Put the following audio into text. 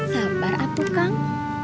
sabar aku kang